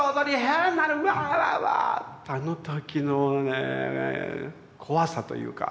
あの時のねぇ怖さというか。